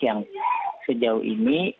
yang sejauh ini